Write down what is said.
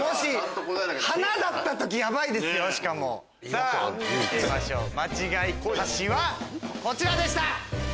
さぁ見てみましょう間違い歌詞はこちらでした。